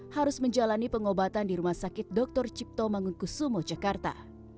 harus menjalani pengobatan di rumah sakit dr cipto mangunkusumo jakarta